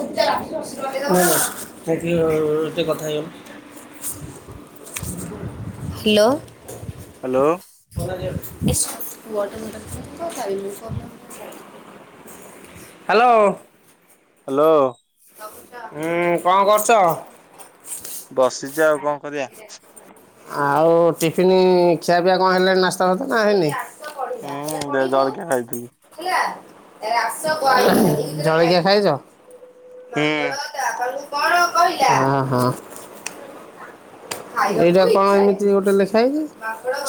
ହୁଁ ଆ ଟିକେ ଅ ଟିକେ କଥା ହେଇଗଲ। ହାଲୋ। ହାଲୋ। [inaudible] ହାଲୋ। ହାଲୋ। ହୁଁ କଣ କରୁଛ? ବସିଚି ଆଉ କଣ କରିବା। ଆଉ ଟିଫନ୍ ଖିଆପିଆ କଣ ହେଲାଣି ନାସ୍ତା ଫାସ୍ତା ନା ହେଇନେହିଁ। ହୁଁ ଜଳଖିଆ ଖାଇଥିଲି। ଜଳିଖିଆ ଖାଇଚ? ହୁଁ ଆ ହଁ। ଏଇଟା କଣ ଏମିତି ଗୋଟେ ଲେଖା ହେଇଚି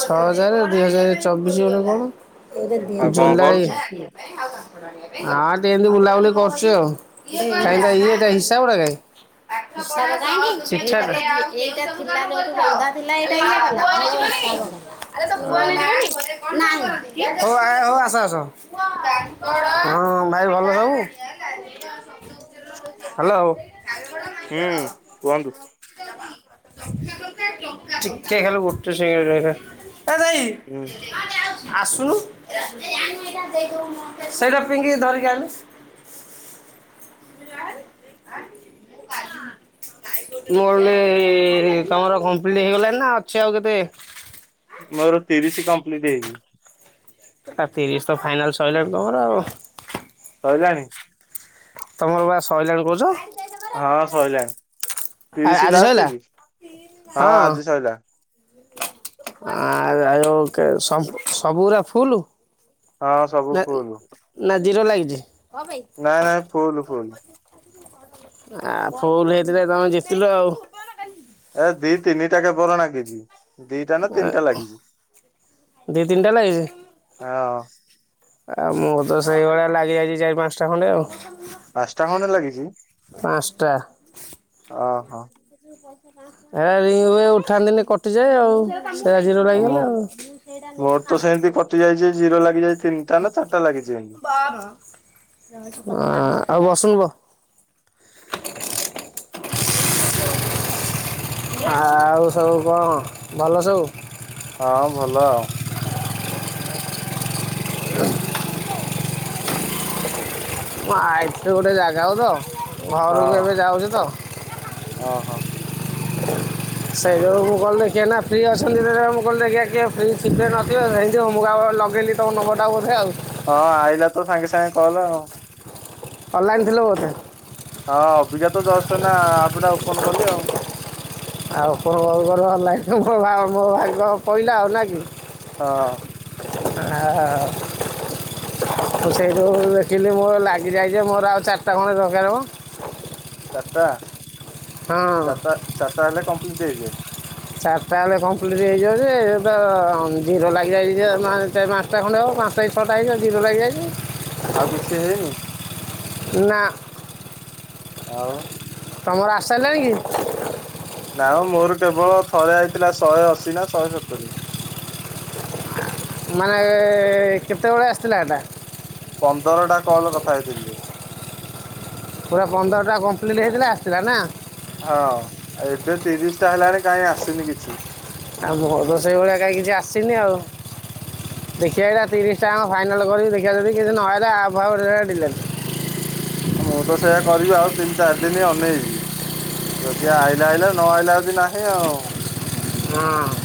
ଛଅ ହଜାରେ ଦି ହଜାରେ ଚବିଶି ଗୋଟେ କଣ? ଆଉ କଣ ଜୁଲାଇ କରୁଛ ଆ ଟି ଏମତି ବୁଲାବୁଲି କରୁଚି ଆଉ। ହୁଁ କାଇଁ ତା ହୁଁ ଇଏଟା ହିସାବଟା କାଇଁ? ଚିଠା [inaudible] ର ହୋଉ ଆ ହୋଉ ଆସ ଆସ। ହଁ ଭାଇ ଭଲ ସବୁ? ହାଲୋ। ହୁଁ କୁହନ୍ତୁ। ଟିକେ ଖାଲି ଗୋଟେ ସେକେଣ୍ଡ୍ ରହିଥା ଏ ଦେଇ ହୁଁ। ଆସୁନୁ ସେଇଟା ପିଙ୍ଗି ଧରିକି ଆଲୁ। [inaudible] ମୁଁ ଅଲି ତମର କମ୍ପ୍ଲିଟ ହେଇଗଲାଣି ନାଁ ଅଛି ଆଉ କେତେ। ମୋର ତିରିଶ କମ୍ପ୍ଲିଟ୍ ହେଇନି। ଆ ତିରିଶ ତ ଫାଇନାଲ ସଇଲାଣି ତମର ଆଉ। ସଇଲାଣି। ତମର ବା ସଇଲାଣି କହୁଚ। ଆ ହଁ, ସଇଲାଣି। ତିରିଶି ଆଜି ସରିଲା? ଲାଷ୍ଟେ କି? ହଁ ଆଜି ସଇଲା। ଆଁର ଆରୁଁ କେ ସବୁ ସବୁୁଉରା ଫୁଲ? ହଁ, ସବୁ ନା ଫୁଲୁ। ନା ଜିରୋ ଲାଗିଚି? ନାଆଁ ନାଆଁ ଫୁଲ, ଫୁଲ। ଆ ଫୁଲ ହେଇଥିଲେ ତମେ ଜିତିଲ ଆଉ। ଏରା ଦି ତିନି ଟାକେ ପୁରା ରାଗିଚି। ଆ ଦି, ତିନିଟା ଲାଗିଚି? ହଁ ଆଉ ମୁଁ ତ ସେଇଭଳିଆ ଲାଗି ଯାଇଚି ଚାରି, ପାଞ୍ଚୁଟା ଖଣ୍ଡେ ଆଉ। ପାଞ୍ଚଟା ଖଣ୍ଡେ ଲାଗିଚି? ପାଶଟା। ଓ ହୋ। ହେ ରିଙ୍ଗ ହୁଏ ଉଠାନ୍ତିିନି, କଟିଯାଏ ଆଉ ସେରା ଜିରୋ ରହିଗଲା ଆଉ। ମୋର ତ ସେମିତି କଟି ଯାଇଚି ଜିରୋ ଲାଗିଯାଇଚି ତିନିଟା ନା ଚାରିଟା ଲାଗିଚି। ହଁ, ହଁ। ବସୁନୁ ବ। ଆଉ ସବୁ କଣ ଭଲ ସବୁ? ହଁ ଭଲ ଆଉ‌। ମୁଁ ଆଇଥିଲି ଗୋଟେ ଜାଗା କୁ ତ ଘରକୁ ଏବେ ଯାଉଛି ତ। ଅହ। ସେଇ ଯୋଗୁ ମୁଁ କଲିନେଇ କିଏ ଏନା ଫ୍ରି ଅଛନ୍ତି ଦେରା ମୁଁ କଲି ଦେଖିଆ କଏ ଫ୍ରି ଥିବେ ନଥିବ ହେଇଥିବ ମୁଁ କାହାକୁ ଗୋଟେ ଲଗେଇଲି ତମ ନମ୍ବରଟା ବୋଧେ ଆଉ। ହଁ ଆଇଲା ତ ସାଙ୍ଗେ ସାଙ୍ଗେ କଲ୍ ଆଉ। ଅନଲାଇନ୍ ଥିଲ ବୋଧେ? ହଁ, ଅଭିକାତ ଦଶଟା ନା ଆପଟା ଓପନ କଲି ଆଉ ଆଉ ଆପଣଙ୍କର ହେଲେ ମୋ ମୋ ଭାଗ ପଇଲା ଆଉନା କି? ହଁ। ଆ ମୁଁ ସେଇଠୁ ଦେଖିଲି ମୋର ଲାଗିଯାଇଛି, ମୋର ଆଉ ଚାରିଟା ଖଣ୍ଡ ଦରକାର ହବ। ଚାରିଟା ହଁ ଚାରିଟା ଚାରିଟା ହେଲେ କମ୍ପ୍ଲିଟ ହେଇଯିବ? ଚାରିଟା ହେଲେ କମ୍ପ୍ଲିଟ୍ ହେଇଯିବ ଯେ। ଜିରୋ ଲାଗିଯାଇଛି ଯେ [inaudible] ଟ ଖଣ୍ଡ ଆଉ ପାଞ୍ଚଟା ରି ଅଟା ହେଯଛି ଦିର ଲାଗିଯାଇଛି। ଆଉ କିଛି ହେଇନି? ନା। ଆଉ। ତମର ଆସିସାରିଲାଣି କି? ନା ମୋର କେବଳ ଥରେ ଆଇଥିଲା ଶହେ ଅଶି ନା ଶହେ ସତୁରି। ମାନେ କେତେବେଳେ ଆସିଥିଲା ଏଇଟା? ପନ୍ଦର ଟା କଲ୍ କଥା ହେଇଥିଲି। ପୁରା ପନ୍ଦରଟା କମ୍ପ୍ଲିଟ୍ ହେଇଥିଲା, ଆସିଥିଲା ନା। ହଁ, ଏବେ ତିରିଶଟା ହେଲାଣି କାହିଁ ଆସିନି କିଛି? ଆଉ ମୋର ସେଇ ଭଳିଆ କାହିଁ କିଛି ଆସିନି ଆଉ। ଦେଖିବା ଏଇଟା ତିରିଶଟା କ ଫାଈନାଲ କରିକି ଦେଖିବା ଯଦି କିଛି ନହେଲେ ଆପ ଡିଲେଟ। ମୁଁ ତ ସେଇୟା କରିବି ଆଉ ତିନି ଚାରି ଦିନ ହିଁ ଅନେଇବି ଯଦି ଆଇଲା, ଆଇଲା ନ ଆଇଲା ଯଦି ନାହିଁ ଆଉ। ହୁଁ।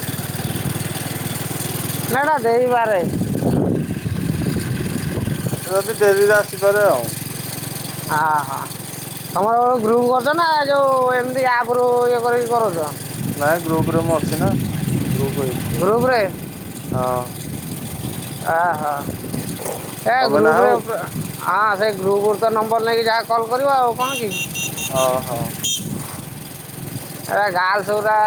ନା, ନା ଦେଇପାରେ। ଯଦି ଡେରିରେ ଆସିପାରେ ଆଉ ହଁ, ହଁ। ତମର ଗ୍ରୁପ କରିଛ ନା ଯୋଉ ଏମିତି ଆପରୁ ଇଏ କରିକି କରୁଛ। ନାଇଁ ଗ୍ରୁପରେ ମୁଁ ଅଛି ନା ଗ୍ରୁପ ହେଇଛି। ଗ୍ରୁପରେ ହଁ। ଅହୋ ଏ ତମେ ନାହଁ ଗ୍ରୁପରେ ପା ହଁ ସେଇ ଗ୍ରୁପ୍ ରୁ ତ ନମ୍ବର ନେଇକି ଯାହା କଲ୍ କରିବା ଆଉ କଣ କି? ଓହୋ। ଏରେ ଗାର୍ଲସ ଗୁରା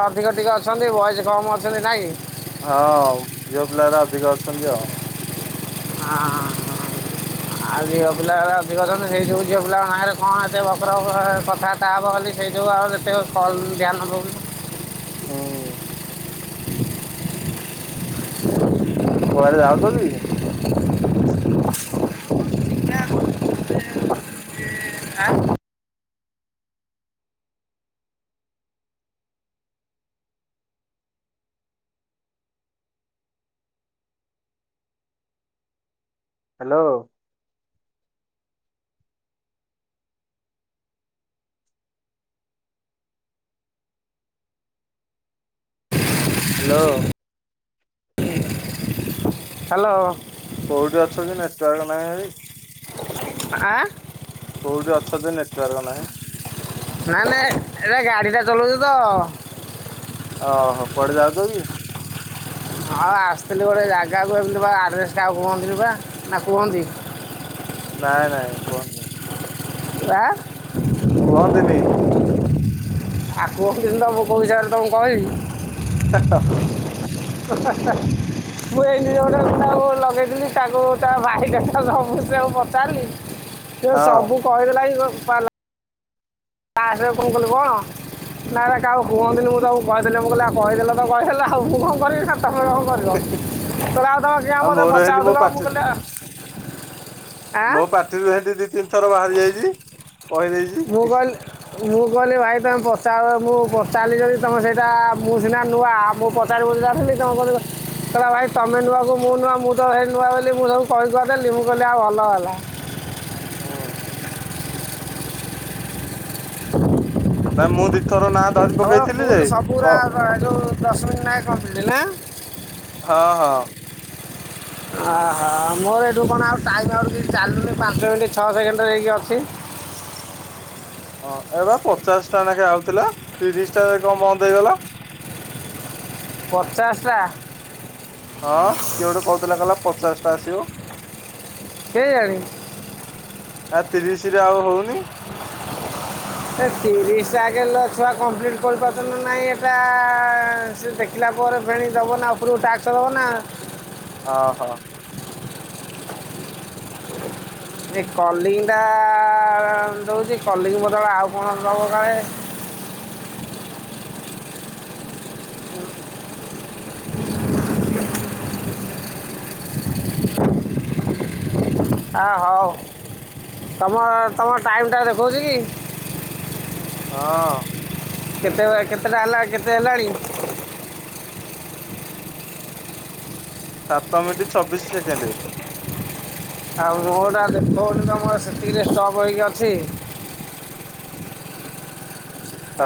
ଅଧିକ ଟିକେ ଅଛନ୍ତି ବଏସ କମ ଅଛନ୍ତି ନାଇଁ। ହଁ ଝିଅ ପିଲାଗରା ଅଧିକ ଅଛନ୍ତି ଆଉ ହାଁ। ଆଉ ଝିଅ ପିଲାବେ ଅତି କରଛନ୍ତି ସେଇ ଯେଉଁ ଝିଅ ପିଲାଙ୍କ ନାଁରେ କଣ ଏତେ ବକର ବକର କଥା ତାପରେ କାଲି ସେଇଟ ଆ ଯେତେ କଲ ଧ୍ୟାନଦଉନି। ହଁ। କୁଆଡେ ଯାଉଛନ୍ତି? ହଁ। ହ୍ୟାଲୋ। ହ୍ୟାଲୋ। ହ୍ୟାଲୋ। କୋଉଠି ଅଛୁ କି ନେଟୱାର୍କ ନାହିଁ? କୋଉଠି ଅଛନ୍ତି ନେଟୱାର୍କ ନାହିଁ। ନାଁ ନାଁ ଏଇଟା ଗାଡି ଟା ଚଲଉଛୁ ତ ଓହୋ କୁଆଡେ ଯାଉଛ କି? ହଁ ଆସିଥିଲି ଗୋଟେ ଜାଗାକୁ ଏ ବା ଆଡ୍ରେସ୍ଟା ଆଉ କୁହଥିନ୍ତି ବା ନା କୁହନ୍ତି? ନାଇଁ ନାଇଁ କୁହନ୍ତୁ। ପ୍ରା କୁହନ୍ତିନି। ଆଉ କୁ ହନ୍ତିନି ତ ମୁଁ କୋଡ଼ ହିସାବରେ ତମକୁ କହିବି। ଟାଟ [inaudible] ମୁ ଏଇନେ ତାକୁ ଲଗେଇଥିଲି ତାକୁ ତା ଭାଇକଥା ସବୁ ବିଷୟ ପଚାରିଲି ସେ ହଁ ସବୁ କହିଦେଲା ଏଇ ବୋପାଲୋ। କ ଆସ କଣ କଲୁ କଣ। [unintelligible] ନ ନା ଆଉ କୁହନ୍ତିନି ମୁଁ ସବୁ କହିଥିଲି ମୁଁ କହିଲ ଆଉ କହିଦେ ତ କହିଦେ ଆଉ ମୁଁ କଣ କରିବିନା ତମେ କଣ କରିବ। ଆଉ ତମ ଆଜ୍ଞା ଆଉ ମତେ ମୋର ଏମିତି ମୋ ପଚାଉଥିଲ ମୁଁ ପାଟି କହିଲେ ଆଉ ମୋ ପାଟିରୁ ଏନ୍ତି ଦି ତିନି ଥର ବାହାରି ଯାଇଛି ମୁଁ କହି ଦେଇଛି। ମୁଁ କହିଲି ମୁଁ କହିଲି ଭାଇ ତମେ ପଚାର ମୁଁ ପଚାରିଲି ଯଦି ତମେ ସେଇଟା ମୁଁ ସିନା ନୂଆ ଆ ମୁ ତାର ବ ଆସିଲି ତମ କ [unintelligible] କହିଲା ଭାଇ ତମେ ନୁଆଁକୁ ମୁଁ ନୁଆଁ ମୁଁ ତ ନୁଆଁ ବୋଲି ମୁଁ ସବୁ କହି କୁହାଦେଲି ମୁଁ କହିଲି ଆଉ ଭଲ ହେଲା। ହୁଁ ନାାଇଁ ମୁଁ ଦି ଥର ନା ହଉ ଫୁଲ ସବୁୁରା ଏ ଯଉ ଦଶ ମିନିଟ ନ କମ୍ପ୍ଲିଟ ନା? ହଁ ହଁ। ଓହୋ ମୋର ଏଇଠୁ କଣ ଆଉ ଟାଇମ ଆ ଚାଲୁନି ପାଞ୍ଚ ମିନିଟ ଛଅ ସେକେଣ୍ଡରେ ହେଇକି ଅଛି। ହଁ ଏବେ ପଚାଶ ଟା ଲେଖେ ଆଉଥିଲା ତିରିଶ ଟା କଣ ବନ୍ଦ ହେଇଗଲା। ପଚାଶଟା ହଁ କିଏ ଗୋଟେ କହୁଥିଲା କହିଲା ପଚାଶ ଟା ଆସିବ। କେଇଜାଣି। ଆ ତିରିଶ ରେ ଆଉ ହଉନି। [inaudible] ଏ ତିରିଶଟାକଲ୍ ଛୁଆ କମ୍ପ୍ଲିଟ କରି ପାଇଛନ୍ତି କି ନାଇଁ ଏଟା ଆସିଲା ପରେ ଫେଣି ଦେବ ନା ଉପରକୁ ଟାକ୍ସ ଦେବ ନା। ଓହୋ। ଏ କଲିଙ୍ଗ ଟା ଦଉଛି କଲିଙ୍ଗ ବଦଳେ ଆଉ କଣ ଦବ କାଳେ।। ଆ ହଉ ତମ ତମ ଟାଇମ୍ଟା ଦେଖାଉଛି କି? ହଁ। କେତେ କେତେଟା ହେଲା କେତେ ହେଲାଣି? ସାତ ମିନିଟ୍ ଛବିଶ ସେକେଣ୍ଡ। ଆଉ ମୋଟା ଦେଖଉନି ତ ସେତିକିରେ ଷ୍ଟପ୍ ହୋଇକି ଅଛି।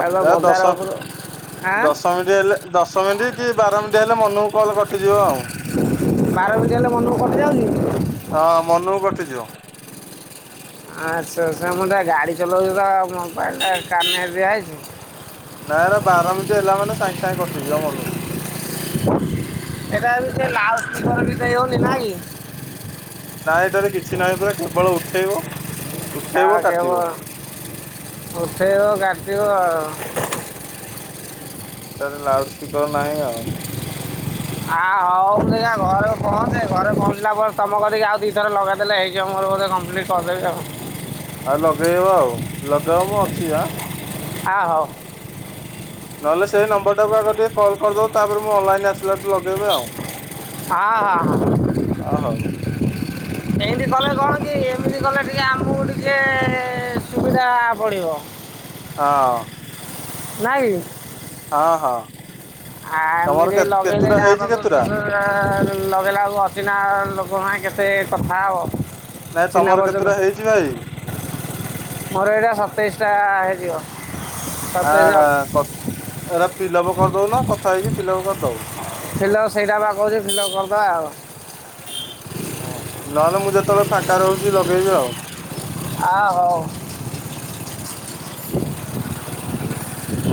ଆଉ ବା ବଜାର ଦଶ ଉପରୁ ଆଁ ଦଶ ମିନିଟ ଯେହେଲେ ଦଶ ମିନିଟ୍ କି ବାର ମିନିଟ୍ ହେଲେ ମନକୁ କଲ୍ କଟିଯିବ ଆଉ। ବାର ମିନିଟ ହେଲେ ମନକୁ କଟିଯାଉଛି? ହଁ ମନୁକୁ କଟିଯିବ। ଆଛା ଆଛା ସେ ମୁଁ ଗାଡ଼ି ଚଲାଉଛି ତ ମୋବାଇଲ ଟା କାନରେ ଦିଆ ହେଇଛି। ନାଇଁ ରେ ବାର ମିନୀଟ ହେଲା ମାନେ ସାଙ୍ଗେ ସାଙ୍ଗେ କଟିଯିବ ମନକୁ। [inaudible] ସେଟ ସେ ଲାାଉ ସ୍ର ଘରକୁ ବି ଦେଇ ହଉନି ଭାଇ। ନାଇ ଏଠାରେ କିଛି ନାହିଁ ବା କେବଳ ଉଠେଇବ। ଉଠେଇବ ତାହାଖବ କାଟିବ ଉଠେଇବ ଗାଟିବ ଆଉ। ତାଧିରେ ଲାଉଡ ସ୍ପିକର ନାହିଁ ଆଉ। ଆ ହଉ ତାହାଲେ ଘରେ ପହଞ୍ଚେ ଘରେ ପହଞ୍ଚିଲା ପରେ ତମ କରିକି ଆଉ ଦିଥର ଲଗେଇ ଦେଲେ ହେଇଯିବ ମୋର ବୋଧେ କମ୍ପ୍ଲିଟ। [inaudible] ଆଉ ଲଗେଇବ ଆଉ ଲଗାଅ ମୁଁ ଅଛି ଆ? ହ ହଉ। ନହେଲେ ସେଇ ନମ୍ବର ଟାକୁ ଆଉ ଥରେ ଟିକେ କଲ କରଦବ, ତାପରେ ମୁଁ ଅନଲାଇନ୍ ଆସ ପିଟଲେଟ ଲଗେଇବେ ଆଉ ହଁ ହଁ ହଁ ଆ ହଉ। [inaudible] ଏମିତି କଲେ କଣ କି ଏମିତି କଲେ ଟିକେ ଆମକୁ ଟିକେ ସୁବିଧା ପଡିବ। [inaudible] ହଁ। ନାଇଁ? ହଁ ହଁ। ଆ ତମର ଏମିତି କେ ଲଗେଇଲେ କେତୁଟା ଯାହା ହେଇଛି ପାଖୁ କେତୁଟା [inaudible] ଆ ଲଗେଇଲା ବଳକୁ ଅଚିହ୍ନା ଲୋକଙ୍କ ସାଙ୍ଗେ କେତେ କଥା ହବ? ନାଇଁ ତମର କେତୁଟା ହେଇଚି ଭାଇ? ମୋର ଏଇଟା ସତେଇଶି ଟା ହେଇଯିବ। ଆ ସତେଇଶ କ ଏରା ଫିଲଅପ କରିଦଉନ କଥା ହେଇକି ଫିଲଅପ କରିଦବ। ଫିଲ ଅପ ସେଇଟା ବା କହୁଚି ଫିଲ ଅପ୍ କରିଦବା ଆଉ। ହଁ ନହେଲେ ମୁଁ ଯେତେବେଳେ ଫାଙ୍କା ରହୁଚି ଲଗେଇବି ଆଉ? ହଁ ହଉ।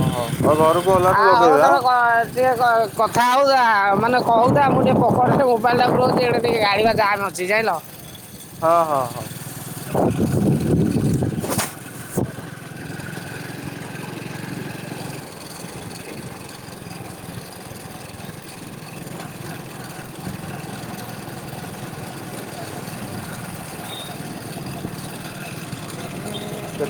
ଓ ହୋଉ ଆଉ ଘରୁକୁ ଆ ହଉ ତମେ କ ଟିକେ କ କଥା ହଉଥା ମାନେ କହୁଥା ମୁଁ ଟିକେ ପକଟରେ ମୋବାଇଲ ଟା ପୁରଉଛି ଏଇଟା ଟିକେ ଗାଡ଼ିବା ଯାମ ଅଛି। ଜି ଯାଇଁ ଲ? ହଁ ହଁ ହଁ। କେ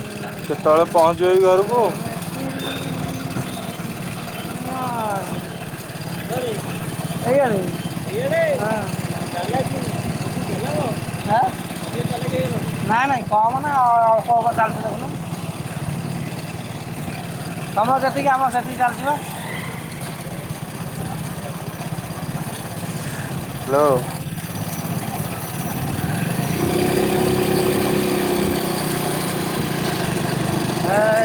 କେତେବେଳେ ପହଞ୍ଚିବ କି ଘରକୁ? [inaudible] [inaudible] ତମର ଯେତିକି ଆମର ସେତିକି ଚାଲିଚି ବା। ହାଲୋ। ହା